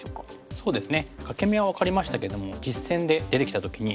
そうですね。